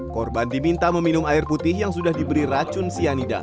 korban diminta meminum air putih yang sudah diberi racun cyanida